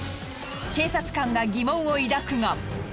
警察官が疑問を抱くが。